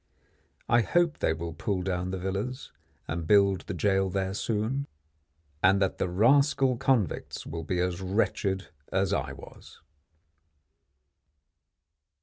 I hope they will pull down the villas and build the jail there soon, and that the rascal convicts will be as wretched as I was.